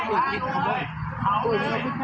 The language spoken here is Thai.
แล้วก็ลุ้มไปตามหน้าท้อถ้าถ่านกเป็นแรงชาติ